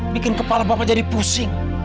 bikin kepala bapak jadi pusing